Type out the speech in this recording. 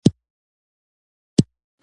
مانا د جملې مهم شرط دئ.